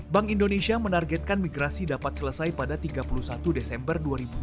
bank indonesia menargetkan migrasi dapat selesai pada tiga puluh satu desember dua ribu dua puluh